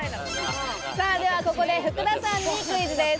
ではここで福田さんにクイズです。